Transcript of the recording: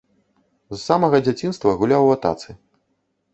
З самага дзяцінства гуляў у атацы.